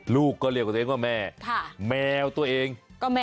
ลูกก็เรียกตัวเองว่าแม่แมวตัวเอง